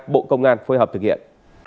bộ công an phối hợp thực hiện